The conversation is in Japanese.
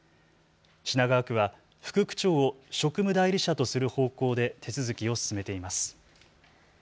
品川区は副区長を職務代理者とする方向で手続きを進めています。